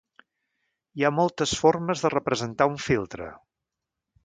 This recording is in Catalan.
Hi ha moltes formes de representar un filtre.